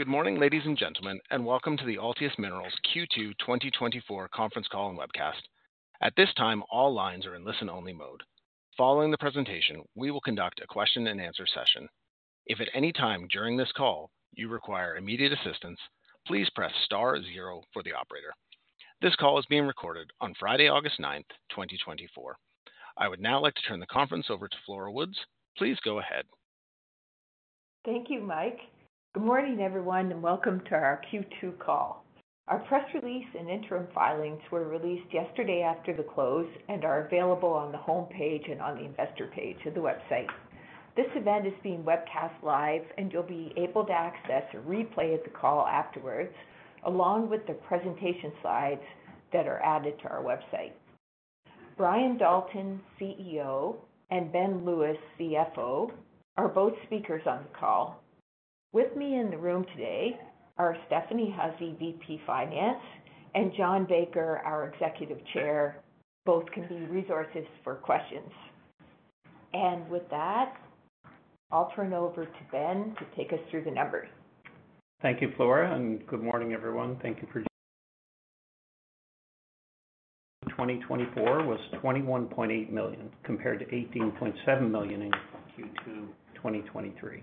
Good morning, ladies and gentlemen, and welcome to the Altius Minerals Q2 2024 conference call and webcast. At this time, all lines are in listen-only mode. Following the presentation, we will conduct a question and answer session. If at any time during this call you require immediate assistance, please press star zero for the operator. This call is being recorded on Friday, August ninth, 2024. I would now like to turn the conference over to Flora Wood. Please go ahead. Thank you, Mike. Good morning, everyone, and welcome to our Q2 call. Our press release and interim filings were released yesterday after the close and are available on the homepage and on the investor page of the website. This event is being webcast live, and you'll be able to access a replay of the call afterwards, along with the presentation slides that are added to our website. Brian Dalton, CEO, and Ben Lewis, CFO, are both speakers on the call. With me in the room today are Stephanie Hussey, VP Finance, and John Baker, our Executive Chairman. Both can be resources for questions. With that, I'll turn it over to Ben to take us through the numbers. Thank you, Flora, and good morning, everyone. 2024 was 21.8 million, compared to 18.7 million in Q2 2023.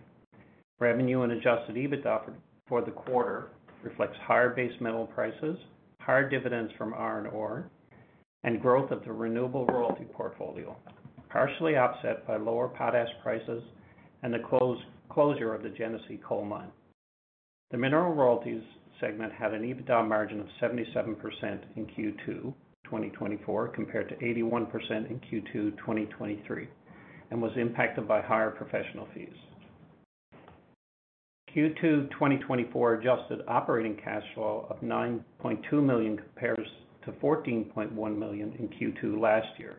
Revenue and adjusted EBITDA for the quarter reflects higher base metal prices, higher dividends from iron ore, and growth of the renewable royalty portfolio, partially offset by lower potash prices and the closure of the Genesee Coal Mine. The mineral royalties segment had an EBITDA margin of 77% in Q2 2024, compared to 81% in Q2 2023, and was impacted by higher professional fees. Q2 2024 adjusted operating cash flow of 9.2 million compares to 14.1 million in Q2 last year.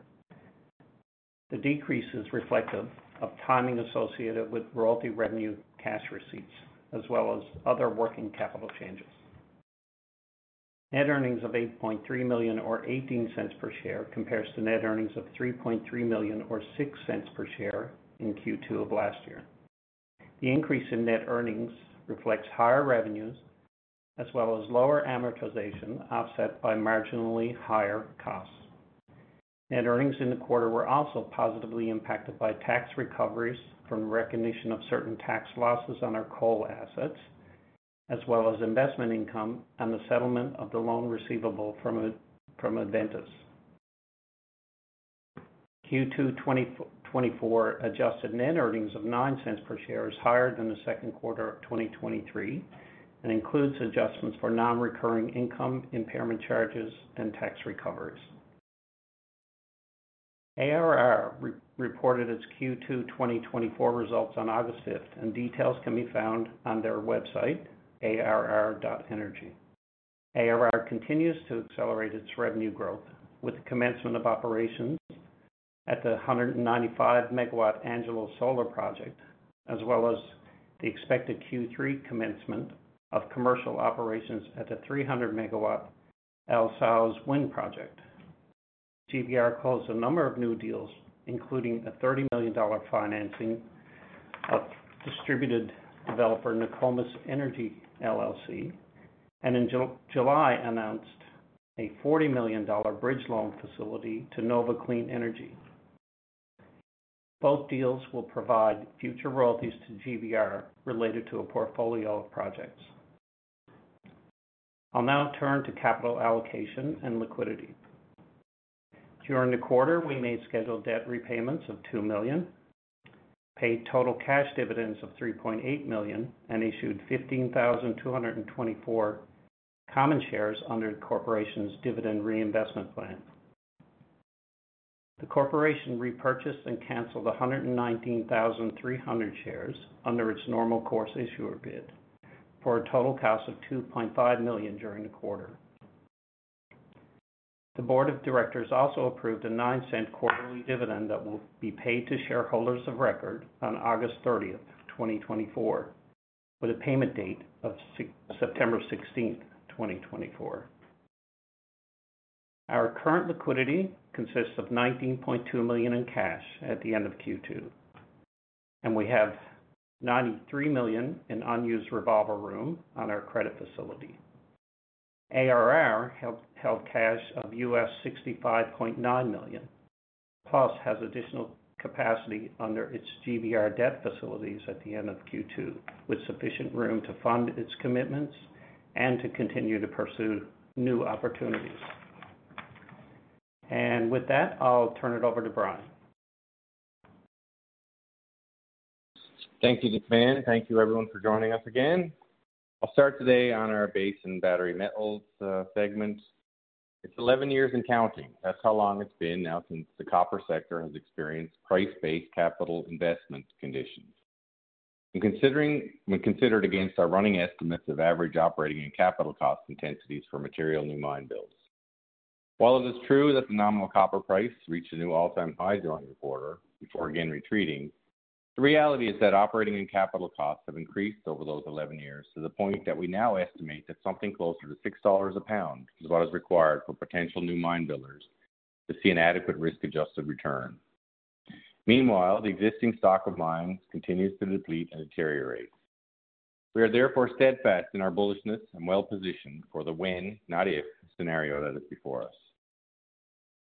The decrease is reflective of timing associated with royalty revenue cash receipts, as well as other working capital changes. Net earnings of 8.3 million or 0.18 per share compares to net earnings of 3.3 million or 0.06 per share in Q2 of last year. The increase in net earnings reflects higher revenues, as well as lower amortization, offset by marginally higher costs. Net earnings in the quarter were also positively impacted by tax recoveries from the recognition of certain tax losses on our coal assets, as well as investment income and the settlement of the loan receivable from Adventus. Q2 2024 adjusted net earnings of 0.09 per share is higher than the second quarter of 2023 and includes adjustments for non-recurring income, impairment charges, and tax recoveries. ARR re-reported its Q2 2024 results on August fifth, and details can be found on their website, arr.energy. ARR continues to accelerate its revenue growth with the commencement of operations at the 195 MW Angelo Solar Project, as well as the expected Q3 commencement of commercial operations at the 300 MW El Sauz Wind Project. GBR closed a number of new deals, including a $30 million financing of distributed developer Nokomis Energy LLC, and in July, announced a $40 million bridge loan facility to Nova Clean Energy. Both deals will provide future royalties to GBR related to a portfolio of projects. I'll now turn to capital allocation and liquidity. During the quarter, we made scheduled debt repayments of 2 million, paid total cash dividends of 3.8 million, and issued 15,224 common shares under the corporation's dividend reinvestment plan. The corporation repurchased and canceled 119,300 shares under its normal course issuer bid, for a total cost of 2.5 million during the quarter. The board of directors also approved a 0.09 quarterly dividend that will be paid to shareholders of record on August 30, 2024, with a payment date of September 16, 2024. Our current liquidity consists of 19.2 million in cash at the end of Q2, and we have 93 million in unused revolver room on our credit facility. ARR held cash of $65.9 million, plus has additional capacity under its GBR debt facilities at the end of Q2, with sufficient room to fund its commitments and to continue to pursue new opportunities. And with that, I'll turn it over to Brian. Thank you to Ben. Thank you everyone for joining us again. I'll start today on our base and battery metals segment. It's 11 years and counting. That's how long it's been now since the copper sector has experienced price-based capital investment conditions. When considered against our running estimates of average operating and capital cost intensities for material new mine builds. While it is true that the nominal copper price reached a new all-time high during the quarter before again retreating, the reality is that operating and capital costs have increased over those 11 years to the point that we now estimate that something closer to $6 a pound is what is required for potential new mine builders to see an adequate risk-adjusted return.... Meanwhile, the existing stock of mines continues to deplete and deteriorate. We are therefore steadfast in our bullishness and well-positioned for the when, not if, scenario that is before us.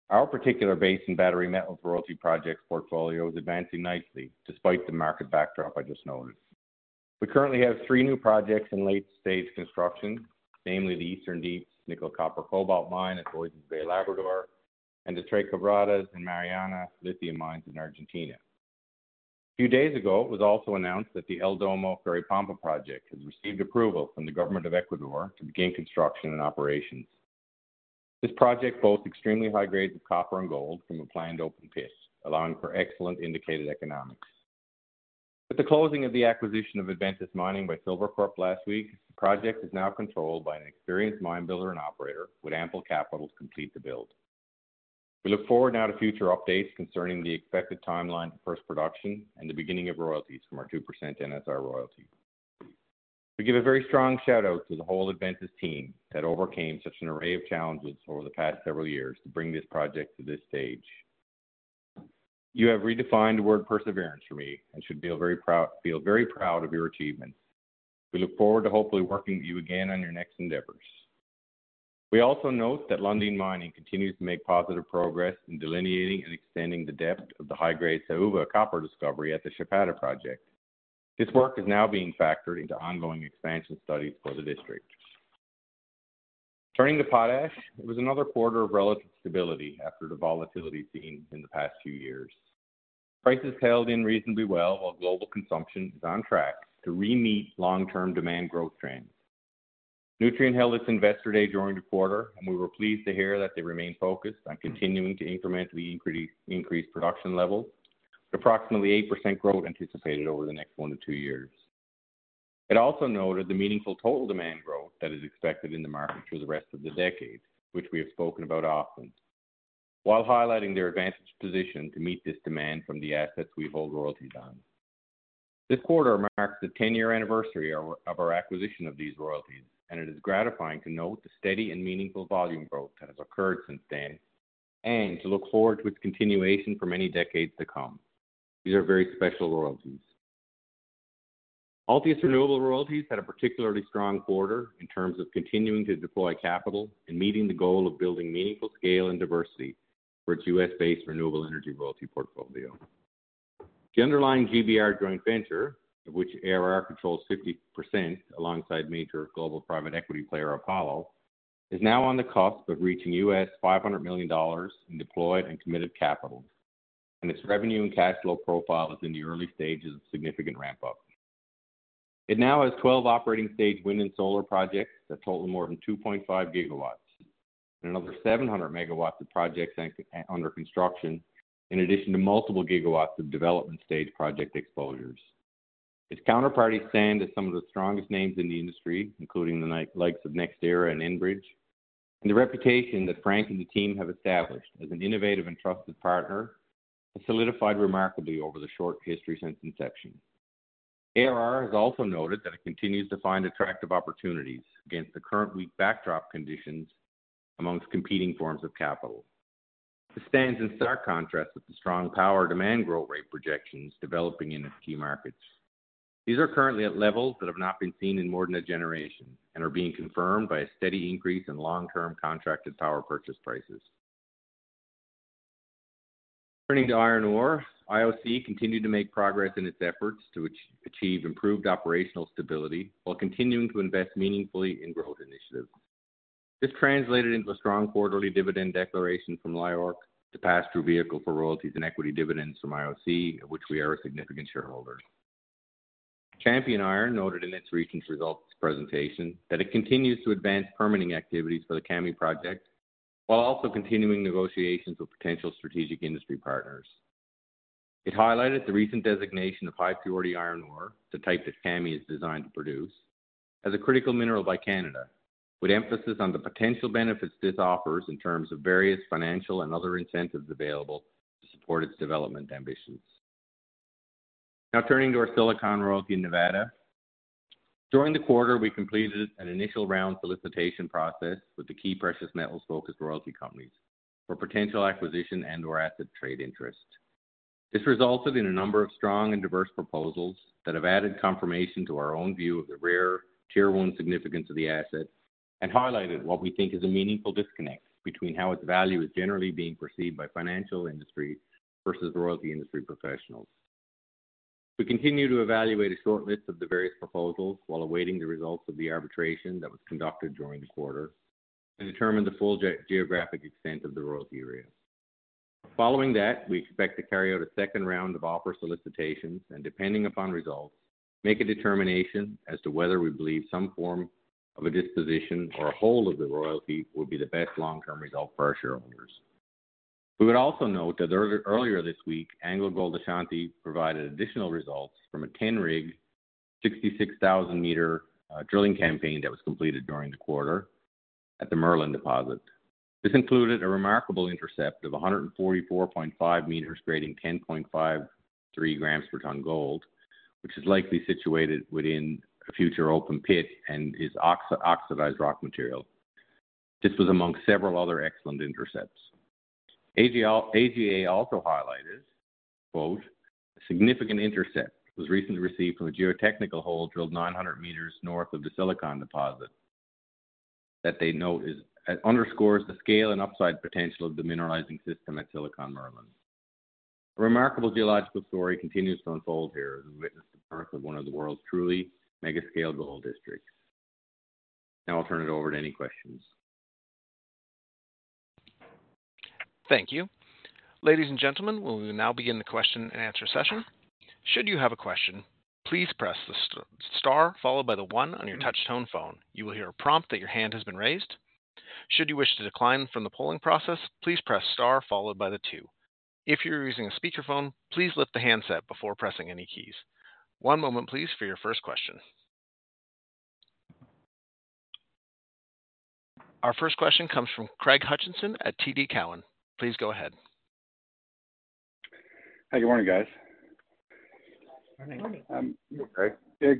Our particular base and battery metals royalty projects portfolio is advancing nicely despite the market backdrop I just noted. We currently have three new projects in late-stage construction, namely the Eastern Deeps nickel copper cobalt mine at Voisey's Bay, Labrador, and the Tres Quebradas and Mariana lithium mines in Argentina. A few days ago, it was also announced that the El Domo Curipamba project has received approval from the government of Ecuador to begin construction and operations. This project boasts extremely high grades of copper and gold from a planned open pit, allowing for excellent indicated economics. With the closing of the acquisition of Adventus Mining by Silvercorp last week, the project is now controlled by an experienced mine builder and operator with ample capital to complete the build. We look forward now to future updates concerning the expected timeline for first production and the beginning of royalties from our 2% NSR royalty. We give a very strong shout-out to the whole Adventus team that overcame such an array of challenges over the past several years to bring this project to this stage. You have redefined the word perseverance for me and should feel very proud, feel very proud of your achievements. We look forward to hopefully working with you again on your next endeavors. We also note that Lundin Mining continues to make positive progress in delineating and extending the depth of the high-grade Saúva copper discovery at the Chapada project. This work is now being factored into ongoing expansion studies for the district. Turning to potash, it was another quarter of relative stability after the volatility seen in the past few years. Prices held in reasonably well, while global consumption is on track to re-meet long-term demand growth trends. Nutrien held its investor day during the quarter, and we were pleased to hear that they remain focused on continuing to incrementally increase production levels, with approximately 8% growth anticipated over the next 1-2 years. It also noted the meaningful total demand growth that is expected in the market for the rest of the decade, which we have spoken about often, while highlighting their advantaged position to meet this demand from the assets we hold royalties on. This quarter marks the 10-year anniversary of our acquisition of these royalties, and it is gratifying to note the steady and meaningful volume growth that has occurred since then, and to look forward to its continuation for many decades to come. These are very special royalties. Altius Renewable Royalties had a particularly strong quarter in terms of continuing to deploy capital and meeting the goal of building meaningful scale and diversity for its US-based renewable energy royalty portfolio. The underlying GBR joint venture, of which ARR controls 50% alongside major global private equity player Apollo, is now on the cusp of reaching $500 million in deployed and committed capital, and its revenue and cash flow profile is in the early stages of significant ramp-up. It now has 12 operating stage wind and solar projects that total more than 2.5 GW and another 700 MW of projects under construction, in addition to multiple gigawatts of development stage project exposures. Its counterparties stand as some of the strongest names in the industry, including the likes of NextEra and Enbridge, and the reputation that Frank and the team have established as an innovative and trusted partner has solidified remarkably over the short history since inception. ARR has also noted that it continues to find attractive opportunities against the current weak backdrop conditions amongst competing forms of capital. This stands in stark contrast with the strong power demand growth rate projections developing in its key markets. These are currently at levels that have not been seen in more than a generation and are being confirmed by a steady increase in long-term contracted power purchase prices. Turning to iron ore, IOC continued to make progress in its efforts to achieve improved operational stability while continuing to invest meaningfully in growth initiatives. This translated into a strong quarterly dividend declaration from LYORC, the pass-through vehicle for royalties and equity dividends from IOC, of which we are a significant shareholder. Champion Iron noted in its recent results presentation that it continues to advance permitting activities for the Kami Project, while also continuing negotiations with potential strategic industry partners. It highlighted the recent designation of high-priority iron ore, the type that Kami is designed to produce, as a critical mineral by Canada, with emphasis on the potential benefits this offers in terms of various financial and other incentives available to support its development ambitions. Now turning to our Silicon royalty in Nevada. During the quarter, we completed an initial round solicitation process with the key precious metals-focused royalty companies for potential acquisition and/or asset trade interest. This resulted in a number of strong and diverse proposals that have added confirmation to our own view of the rare tier one significance of the asset and highlighted what we think is a meaningful disconnect between how its value is generally being perceived by financial industry versus royalty industry professionals. We continue to evaluate a short list of the various proposals while awaiting the results of the arbitration that was conducted during the quarter to determine the full geographic extent of the royalty area. Following that, we expect to carry out a second round of offer solicitations, and, depending upon results, make a determination as to whether we believe some form of a disposition or a hold of the royalty would be the best long-term result for our shareholders. We would also note that earlier this week, AngloGold Ashanti provided additional results from a 10-rig, 66,000-meter drilling campaign that was completed during the quarter at the Merlin deposit. This included a remarkable intercept of 144.5 meters grading 10.53 grams per ton gold, which is likely situated within a future open pit and is oxidized rock material. This was among several other excellent intercepts. AGA also highlighted, quote, "A significant intercept was recently received from a geotechnical hole drilled 900 meters north of the Silicon deposit," that they note is underscores the scale and upside potential of the mineralizing system at Silicon Merlin. A remarkable geological story continues to unfold here, as we witness the birth of one of the world's truly mega-scale gold districts. Now I'll turn it over to any questions. Thank you. Ladies and gentlemen, we will now begin the question and answer session. Should you have a question, please press the star followed by the one on your touch tone phone. You will hear a prompt that your hand has been raised. Should you wish to decline from the polling process, please press star followed by the two. If you're using a speakerphone, please lift the handset before pressing any keys. One moment, please, for your first question. Our first question comes from Craig Hutchison at TD Cowen. Please go ahead. Hi, good morning, guys. Morning.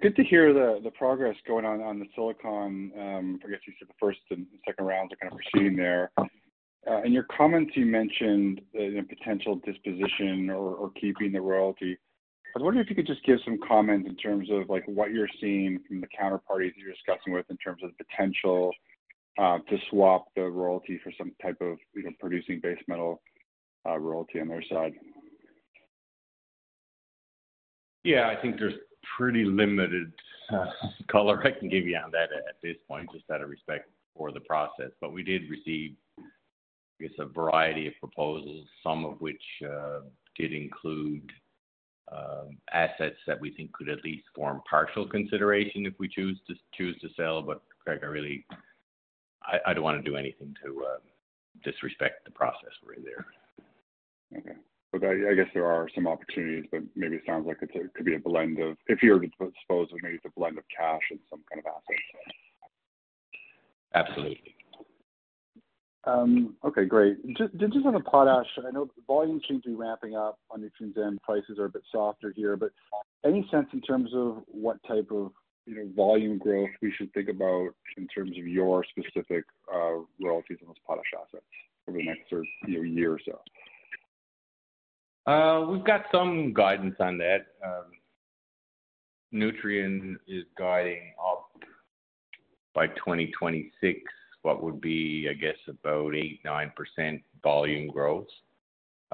Good to hear the progress going on the Silicon. I guess you said the first and second rounds are kind of proceeding there. In your comments, you mentioned the potential disposition or keeping the royalty. I was wondering if you could just give some comment in terms of, like, what you're seeing from the counterparties you're discussing with in terms of potential to swap the royalty for some type of, you know, producing base metal royalty on their side. Yeah, I think there's pretty limited color I can give you on that at this point, just out of respect for the process. But we did receive, I guess, a variety of proposals, some of which did include assets that we think could at least form partial consideration if we choose to sell. But Craig, I really... I don't want to do anything to disrespect the process over there. Okay. But I, I guess there are some opportunities, but maybe it sounds like it's a, could be a blend of—if you were to dispose of, maybe it's a blend of cash and some kind of asset. Absolutely. Okay, great. Just, just on the potash, I know volumes seem to be ramping up on Nutrien's end. Prices are a bit softer here, but any sense in terms of what type of, you know, volume growth we should think about in terms of your specific royalties on those potash assets over the next, sort of, year or so? We've got some guidance on that. Nutrien is guiding up by 2026, what would be, I guess, about 8-9% volume growth.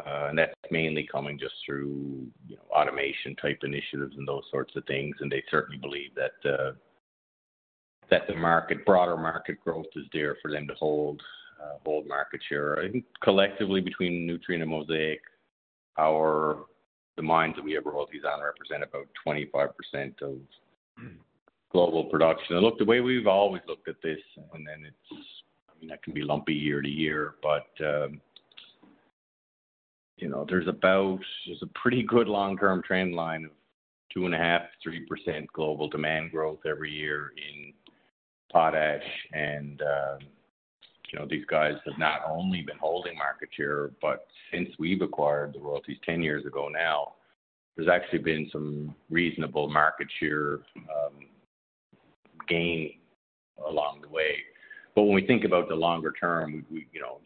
And that's mainly coming just through, you know, automation type initiatives and those sorts of things. And they certainly believe that, that the market, broader market growth is there for them to hold bold market share. I think collectively, between Nutrien and Mosaic, our the mines that we have royalties on represent about 25% of global production. And look, the way we've always looked at this, and then it's, I mean, that can be lumpy year to year, but, you know, there's about. There's a pretty good long-term trend line of 2.5-3% global demand growth every year in potash. And, you know, these guys have not only been holding market share, but since we've acquired the royalties 10 years ago now, there's actually been some reasonable market share gain along the way. But when we think about the longer term, we, you know,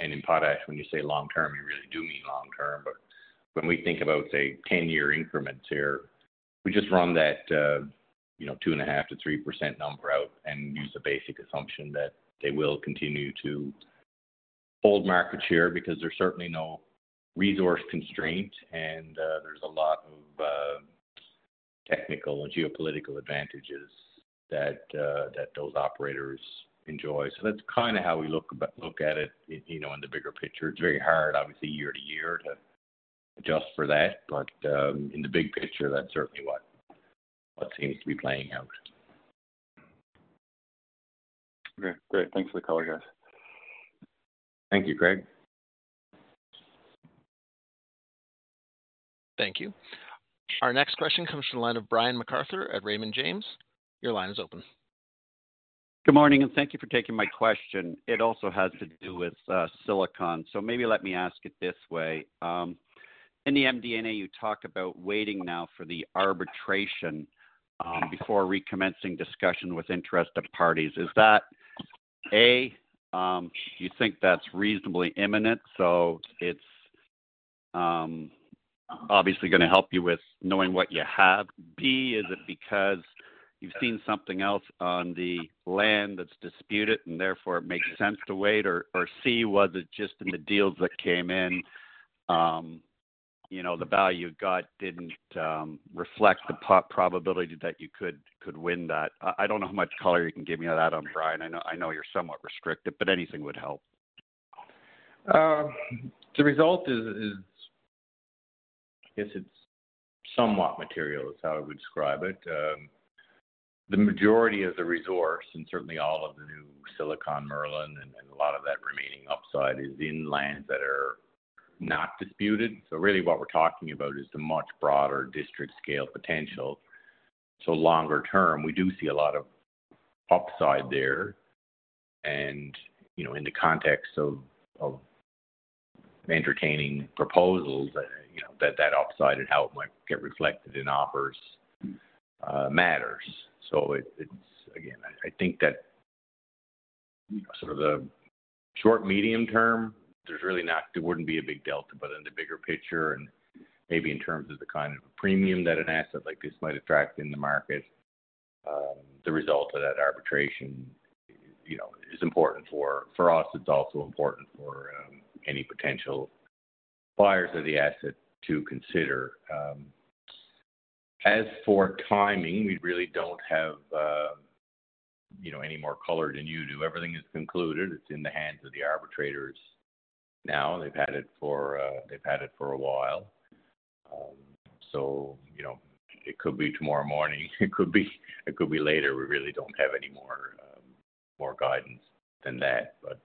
and in potash, when you say long term, you really do mean long term. But when we think about, say, 10-year increments here, we just run that, you know, 2.5%-3% number out and use the basic assumption that they will continue to hold market share, because there's certainly no resource constraint, and there's a lot of technical and geopolitical advantages that those operators enjoy. So that's kind of how we look at, look at it, you know, in the bigger picture. It's very hard, obviously, year to year, to adjust for that. But, in the big picture, that's certainly what seems to be playing out. Okay, great. Thanks for the color, guys. Thank you, Craig. Thank you. Our next question comes from the line of Brian MacArthur at Raymond James. Your line is open. Good morning, and thank you for taking my question. It also has to do with Silicon. So maybe let me ask it this way. In the MD&A, you talked about waiting now for the arbitration before recommencing discussion with interested parties. Is that, A, you think that's reasonably imminent, so it's obviously gonna help you with knowing what you have? B, is it because you've seen something else on the land that's disputed and therefore it makes sense to wait? Or, C, was it just in the deals that came in, you know, the value you got didn't reflect the probability that you could win that? I don't know how much color you can give me on that, Brian. I know, I know you're somewhat restricted, but anything would help. The result is, I guess, it's somewhat material, is how I would describe it. The majority of the resource, and certainly all of the new Silicon Merlin and a lot of that remaining upside is in lands that are not disputed. So really what we're talking about is the much broader district-scale potential. So longer term, we do see a lot of upside there. And, you know, in the context of entertaining proposals, you know, that upside and how it might get reflected in offers matters. So it's, again, I think that, you know, sort of the short, medium term, there's really not there wouldn't be a big delta. But in the bigger picture, and maybe in terms of the kind of a premium that an asset like this might attract in the market, the result of that arbitration, you know, is important for, for us. It's also important for, any potential buyers of the asset to consider. As for timing, we really don't have, you know, any more color than you do. Everything is concluded. It's in the hands of the arbitrators now. They've had it for, they've had it for a while. So you know, it could be tomorrow morning, it could be, it could be later. We really don't have any more, more guidance than that. But,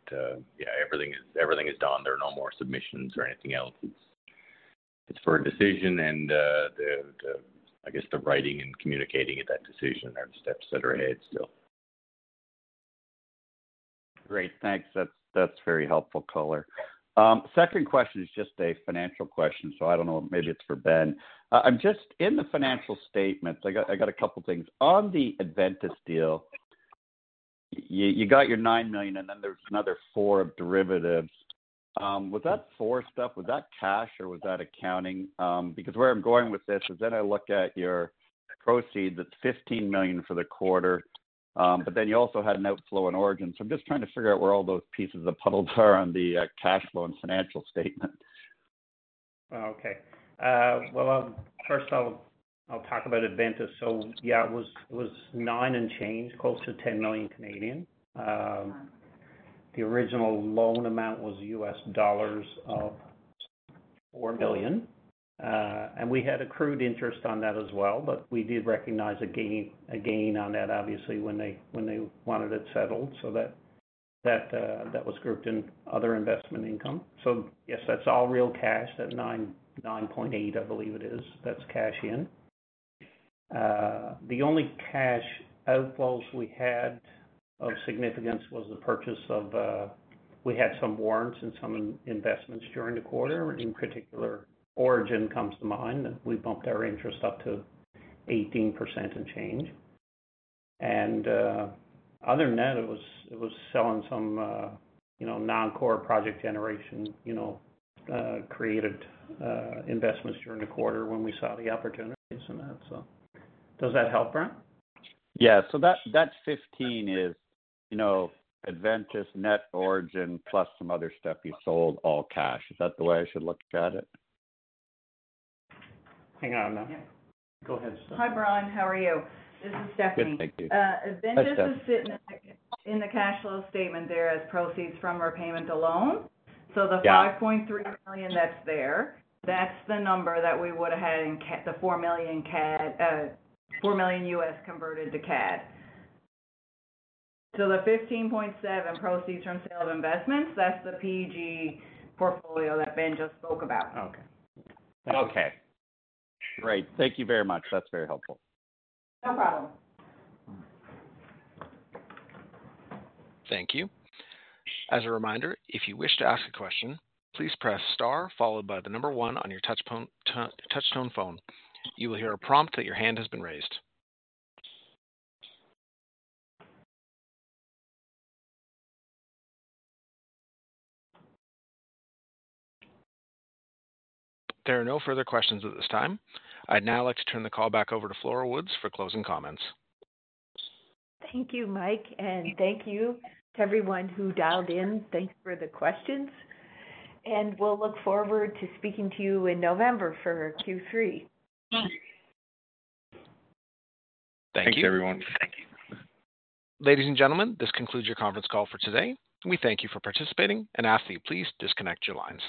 yeah, everything is, everything is done. There are no more submissions or anything else. It's for a decision and the, I guess, the writing and communicating of that decision are the steps that are ahead still. Great, thanks. That's, that's very helpful color. Second question is just a financial question, so I don't know, maybe it's for Ben. I'm just... In the financial statements, I got, I got a couple things. On the Adventus deal, you, you got your 9 million, and then there's another 4 million of derivatives. Was that four stuff, was that cash or was that accounting? Because where I'm going with this is then I look at your proceeds, it's 15 million for the quarter, but then you also had an outflow in Orogen. So I'm just trying to figure out where all those pieces of the puzzle are on the cash flow and financial statement. Oh, okay. Well, first I'll talk about Adventus. So yeah, it was 9 and change, close to 10 million. The original loan amount was $4 million, and we had accrued interest on that as well. But we did recognize a gain on that, obviously, when they wanted it settled, so that was grouped in other investment income. So yes, that's all real cash, that 9.8 million, I believe it is. That's cash in. The only cash outflows we had of significance was the purchase of warrants and some investments during the quarter. In particular, Orogen comes to mind, and we bumped our interest up to 18% and change. Other than that, it was selling some, you know, non-core project generation, you know, created investments during the quarter when we saw the opportunities in that. So does that help, Brian? Yeah. So that 15 is, you know, Adventus net Orogen, plus some other stuff you sold, all cash. Is that the way I should look at it? Hang on. Go ahead, Stephanie. Hi, Brian, how are you? This is Stephanie. Good, thank you. Uh, Adventus- Hi, Stephanie... is sitting in the cash flow statement there as proceeds from repayment of loan. Yeah. So the 5.3 million that's there, that's the number that we would've had in CAD, the 4 million CAD, $4 million converted to CAD. So the 15.7 million proceeds from sale of investments, that's the PG portfolio that Ben just spoke about. Okay. Okay, great. Thank you very much. That's very helpful. No problem. Thank you. As a reminder, if you wish to ask a question, please press star, followed by the number one on your touch tone, touch tone phone. You will hear a prompt that your hand has been raised. There are no further questions at this time. I'd now like to turn the call back over to Flora Wood for closing comments. Thank you, Mike, and thank you to everyone who dialed in. Thanks for the questions, and we'll look forward to speaking to you in November for Q3. Thank you, everyone. Thank you. Ladies and gentlemen, this concludes your conference call for today. We thank you for participating and ask that you please disconnect your lines.